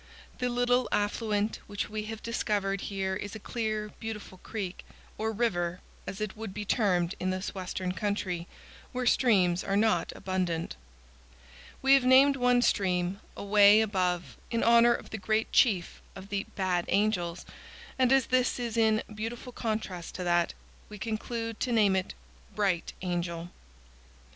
The little affluent which we have discovered here is a clear, beautiful creek, or river, as it would be termed in this western country, where streams are not abundant. We have named one stream, away above, in honor of the great chief of the "Bad Angels," and as this is in beautiful contrast to that, we conclude to name it "Bright Angel."